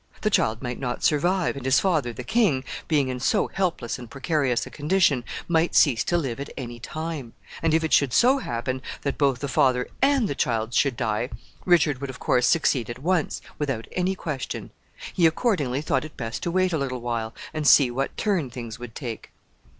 The child might not survive, and his father, the king, being in so helpless and precarious a condition, might cease to live at any time; and if it should so happen that both the father and the child should die, Richard would, of course, succeed at once, without any question. He accordingly thought it best to wait a little while, and see what turn things would take.